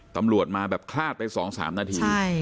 ตำรวจมาแบบคลาดไป๒๓นาที